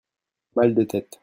mal de tête.